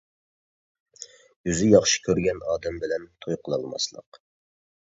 ئۆزى ياخشى كۆرگەن ئادەم بىلەن توي قىلالماسلىق.